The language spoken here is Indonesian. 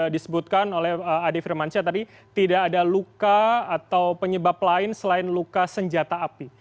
disebutkan oleh ade firmansyah tadi tidak ada luka atau penyebab lain selain luka senjata api